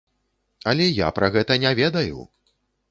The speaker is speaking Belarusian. Але я пра гэта не ведаю!